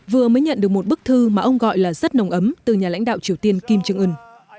vừa mới nhận được một bức thư mà ông gọi là rất nồng ấm từ nhà lãnh đạo triều tiên kim trương ưn